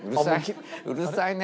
うるさいね！